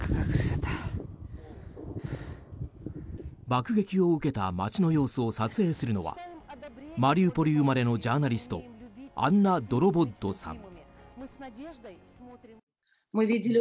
爆撃を受けた街の様子を撮影するのはマリウポリ生まれのジャーナリストアンナ・ドロボッドさん。